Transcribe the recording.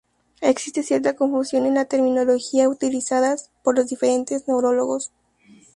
Existe cierta confusión en la terminología utilizada por los diferentes neurólogos.